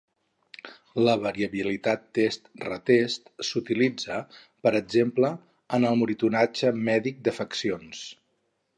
La variabilitat test-retest s'utilitza, per exemple, en el monitoratge mèdic d'afeccions.